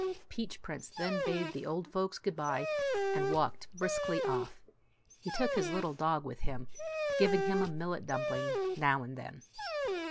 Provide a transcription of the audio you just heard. Peach Prince then bade the old folks good by, and walked briskly off. He took his little dog with him, giving him a millet dumpling now and then.